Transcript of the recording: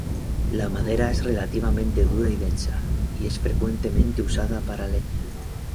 La madera es relativamente dura y densa, y es frecuentemente usada para leña.